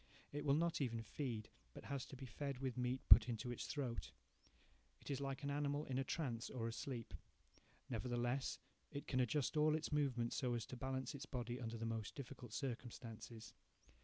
It will not even feed, but has to be fed with meat put into its throat. It is like an animal in a trance, or asleep. Nevertheless it can adjust all its movements so as to balance its body under the most difficult circumstances.